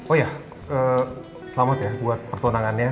oh iya selamat ya buat pertunangannya